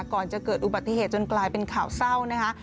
ก่อนจะเกิดอุบัติเหตุจนกลายเป็นข่าวเศร้านะคะ